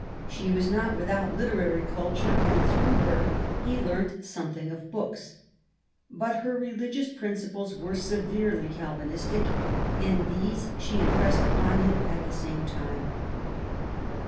She was not without literary culture, and through her he learnt something of books. But her religious principles were severely Calvinistic, and these she impressed upon him at the same time.